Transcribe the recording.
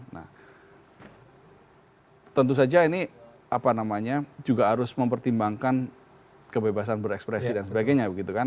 nah tentu saja ini apa namanya juga harus mempertimbangkan kebebasan berekspresi dan sebagainya begitu kan